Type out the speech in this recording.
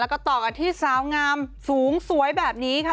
แล้วก็ต่อกันที่สาวงามสูงสวยแบบนี้ค่ะ